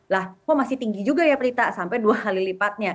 lah kok masih tinggi juga ya prita sampai dua kali lipatnya